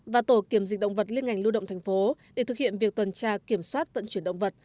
và tổ kiểm dịch động vật liên ngành lưu động thành phố để thực hiện việc tuần tra kiểm soát vận chuyển động vật